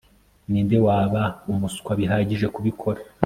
Ninde waba umuswa bihagije kubikora